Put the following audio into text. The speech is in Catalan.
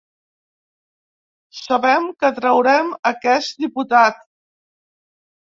Sabem que traurem aquest diputat.